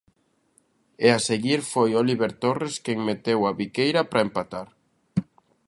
E a seguir foi Óliver Torres quen meteu a Viqueira pra empatar.